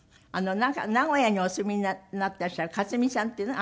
なんか名古屋にお住みになってらっしゃるかつみさんっていうの？